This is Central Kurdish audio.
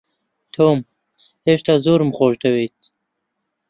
تۆم، هێشتا زۆرم خۆش دەوێیت.